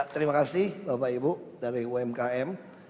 terima kasih bapak ibu dari umkm